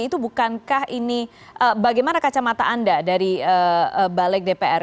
itu bukankah ini bagaimana kacamata anda dari balik dpr